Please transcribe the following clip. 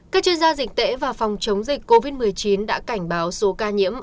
các chuyên gia dịch tễ và phòng chống dịch covid một mươi chín đã cảnh báo số ca nhiễm